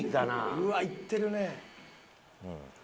うわっいってるね。